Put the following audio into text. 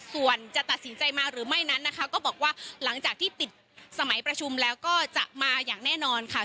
ส่วนจะตัดสินใจมาหรือไม่นั้นนะคะก็บอกว่าหลังจากที่ปิดสมัยประชุมแล้วก็จะมาอย่างแน่นอนค่ะ